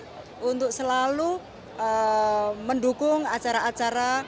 dan juga dengan kekuasaan untuk mendukung acara acara